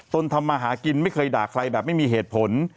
ทำมาหากินไม่เคยด่าใครแบบไม่มีเหตุผล